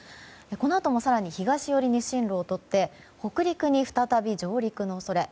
このあとも更に東寄りに進路をとって北陸に再び上陸の恐れ。